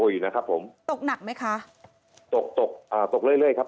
อยู่นะครับผมตกหนักไหมคะตกตกอ่าตกเรื่อยเรื่อยครับ